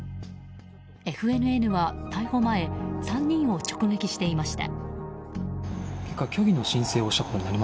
ＦＮＮは逮捕前３人を直撃していました。